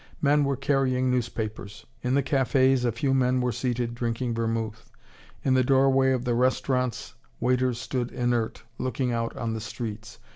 Men were carrying newspapers. In the cafes a few men were seated drinking vermouth. In the doorway of the restaurants waiters stood inert, looking out on the streets.